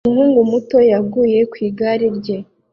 Umuhungu muto yaguye ku igare rye